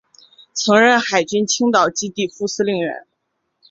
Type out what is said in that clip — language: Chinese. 曾任海军青岛基地副司令员。